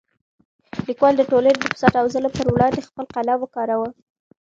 لیکوال د ټولنې د فساد او ظلم پر وړاندې خپل قلم وکاراوه.